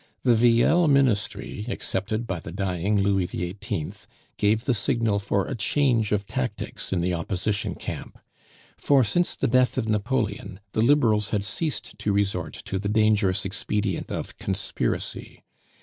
The Villele ministry, accepted by the dying Louis XVIII., gave the signal for a change of tactics in the Opposition camp; for, since the death of Napoleon, the liberals had ceased to resort to the dangerous expedient of conspiracy.